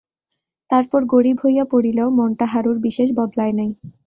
তারপর গরিব হইয়া পড়িলেও মনটা হারুর বিশেষ বদলায় নাই।